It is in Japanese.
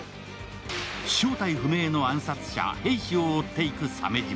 正体不明の暗殺者・黒石を追っていく鮫島。